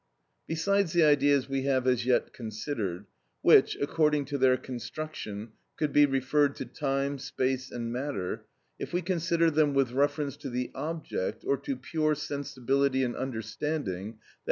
Besides the ideas we have as yet considered, which, according to their construction, could be referred to time, space, and matter, if we consider them with reference to the object, or to pure sensibility and understanding (_i.